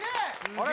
あれ？